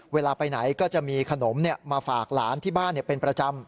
เวลาไปไหนก็จะมีขนมมาฝากหลานที่บ้านเป็นประจำ